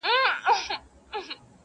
• هر څوک له بل څخه لرې او جلا ښکاري,